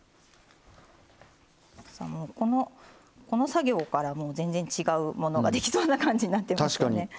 この作業からもう全然違うものができそうな感じになってますよね。